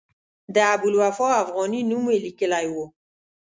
د ابوالوفاء افغاني نوم یې لیکلی و.